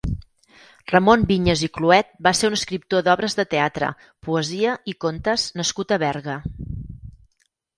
Ramon Vinyes i Cluet va ser un escriptor d'obres de teatre, poesia i contes nascut a Berga.